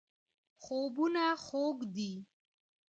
خوبونه خوږ دي.